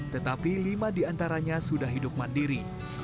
tetapi lima di antaranya sudah hidup mandiri